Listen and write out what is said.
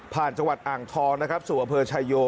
ผ่านจังหวัดอ่างทองสู่อำเภอชายโย